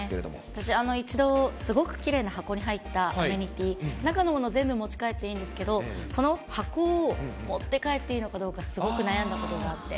私、一度、すごくきれいな箱に入ったアメニティ、中のもの持ち帰っていいんですけど、その箱を持って帰っていいのかどうかすごく悩んだことがあって。